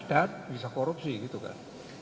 dan bisa korupsi gitu kan